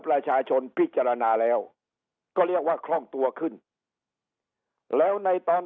ประชาชนพิจารณาแล้วก็เรียกว่าคล่องตัวขึ้นแล้วในตอน